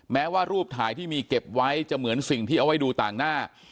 แม้ว่ารูปถ่ายที่มีเก็บไว้จะเหมือนสิ่งที่เอาไว้ดูต่างหน้า